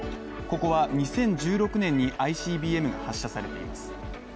ここは２０１６年にＩＣＢＭが発射されています。